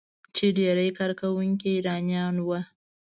چې ډیری کارکونکي یې ایرانیان وو.